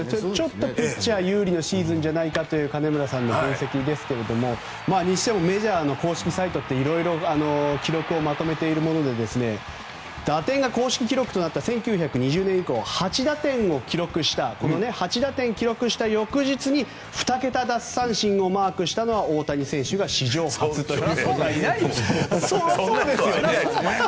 ピッチャー有利のシーズンじゃないかという金村さんの分析ですがにしても、メジャーの公式サイトっていろいろと記録をまとめているもので打点が公式記録となった１９２０年以降８打点記録したこの翌日に２桁奪三振をマークしたのは大谷選手が史上初という。